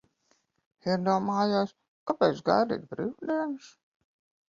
Iedomājos, kāpēc gaidīt brīvdienas?